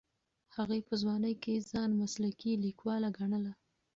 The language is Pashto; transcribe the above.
هغې په ځوانۍ کې ځان مسلکي لیکواله ګڼله.